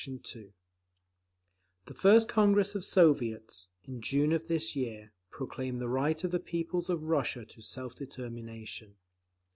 2) … The first Congress of Soviets, in June of this year, proclaimed the right of the peoples of Russia to self determination.